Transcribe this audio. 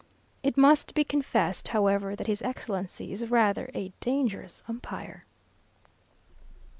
It must be confessed, however, that his Excellency is rather a dangerous umpire.